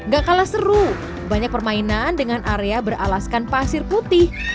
gak kalah seru banyak permainan dengan area beralaskan pasir putih